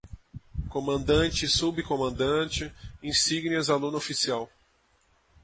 Comandante, Subcomandante, insígnias, Aluno-oficial